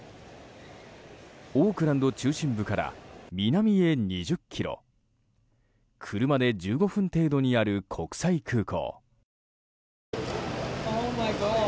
オークランド中心部から南へ２０ｋｍ車で１５分程度にある国際空港。